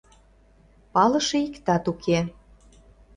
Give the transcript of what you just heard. Палыше иктат уке.